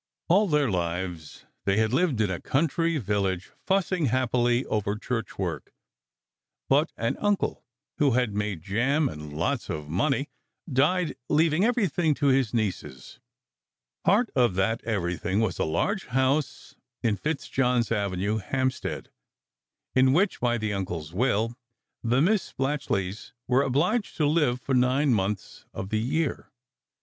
All their lives they had lived in a country village, fussing happily over church work; but an uncle, who had made jam and lots of money, died, leaving everything to his nieces. Part of that "everything" was a large house in Fitzjohn s Avenue, Hampstead, in which, by the uncle s will, the Miss Splatchleys were obliged to live for nine months of the year.